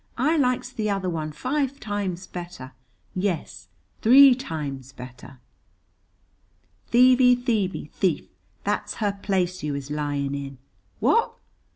I likes the other one five times better; yes, three times better. "Thievey, thievey, thief, that's her place you is lying in. What?